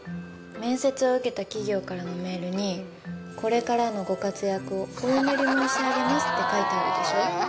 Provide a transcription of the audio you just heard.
面接を受けた企業からのメールに「これからのご活躍をお祈り申し上げます」って書いてあるでしょ。